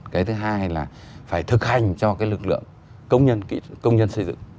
cái thứ hai là phải thực hành cho cái lực lượng công nhân xây dựng